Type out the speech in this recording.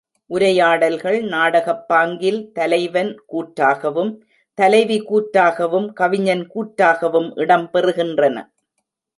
உரையாடல்கள் நாடகப்பாங்கில் தலைவன் கூற்றாகவும், தலைவி கூற்றாகவும், கவிஞன் கூற்றாகவும் இடம் பெறுகின்றன.